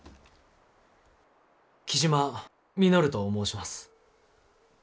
雉真稔と申します。